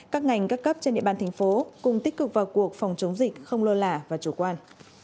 các ngành các cấp trên địa bàn thành phố cùng tích cực vào cuộc phòng chống dịch không lơ lả và chủ quan